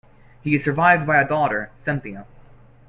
He is survived by a daughter, Cynthia.